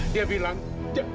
dia bilang jantung aida kubat